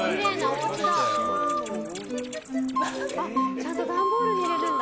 ちゃんと段ボールに入れるんだ。